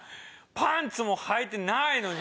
パンツもはいてないのに。